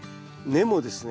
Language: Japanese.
根もですね